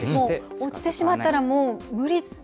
落ちてしまったら、もう無理。